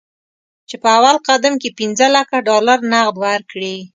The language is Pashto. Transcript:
چې په اول قدم کې پنځه لکه ډالر نغد ورکړي.